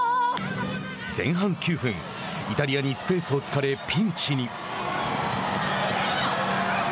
前半９分、イタリアにスペースを突かれピンチに。